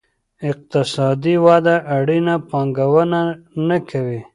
اقتصادي وده اړینه پانګونه نه کوي.